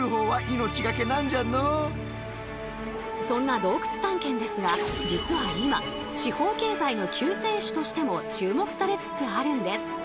そんな洞窟探検ですが実は今地方経済の救世主としても注目されつつあるんです。